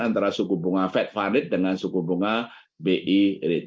antara suku bunga fed fund rate dengan suku bunga bi rate